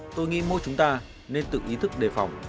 tôi nghĩ mỗi chúng ta nên tự ý thức đề phòng